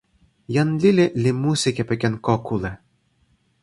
jan lili li musi kepeken ko kule.